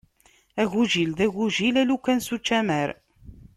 Agujil d agujil, a lukan s učamar.